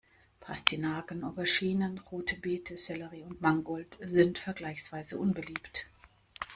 Pastinaken, Auberginen, rote Beete, Sellerie und Mangold sind vergleichsweise unbeliebt.